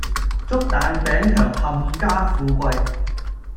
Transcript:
祝蛋餅强冚家富貴